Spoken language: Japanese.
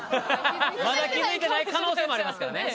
まだ気付いてない可能性もありますからね。